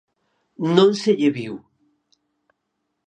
Non se lle viu.